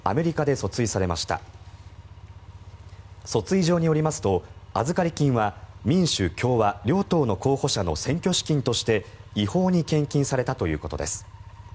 訴追状によりますと預かり金は民主・共和両党の候補者の選挙資金として、違法に献金されたということです。